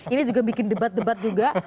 ini juga bikin debat debat juga